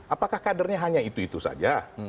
apakah kadernya hanya itu itu saja